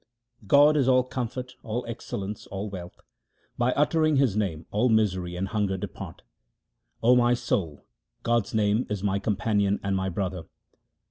HYMNS OF GURU RAM DAS 319 God is all comfort, all excellence, all wealth ; by utter ing His name all misery and hunger depart. O my soul, God's, name is my companion and my brother.